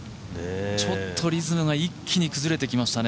ちょっとリズムが一気に崩れてきましたね